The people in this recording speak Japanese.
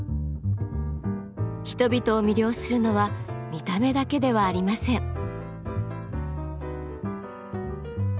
人々を魅了するのは見た目だけではありません。